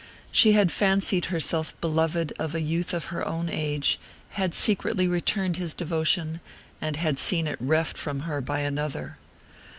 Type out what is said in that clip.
She had fancied herself beloved of a youth of her own age; had secretly returned his devotion, and had seen it reft from her by another.